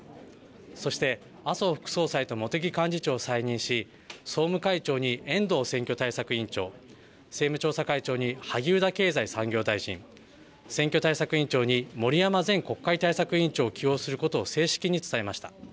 そして麻生副総裁と茂木幹事長を再任し総務会長に遠藤選挙対策委員長、政務調査会長に萩生田経済産業大臣、選挙対策委員長に森山前国会対策委員長を起用することを正式に伝えました。